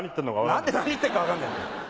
何で何言ってるか分かんねえんだよ。